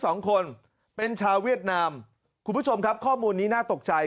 สองคนเป็นชาวเวียดนามคุณผู้ชมครับข้อมูลนี้น่าตกใจ